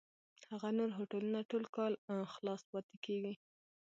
هغه نور هوټلونه ټول کال خلاص پاتېږي.